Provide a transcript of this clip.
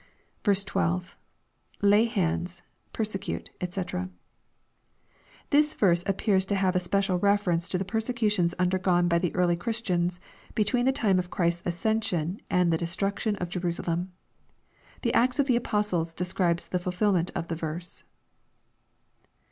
l2. — [Lay hand8,.,persecute...Sc.] This verse appears to have a spe cial reference to the persecutions undergone by the early Chris tians, between the time of Christ's ascension and the destruction of Jerusalem. The Acts of the Apostles describe the ftdfilment of the verse.